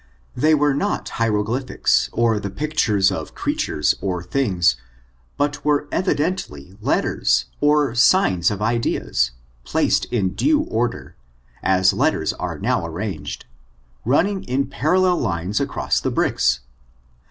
They were not hieroglyphics, or the pictures of creatures or things, but were evidently letters, or signs of ideas, placed in due order, as letters are now arranged, running in parallel lines across the bricks.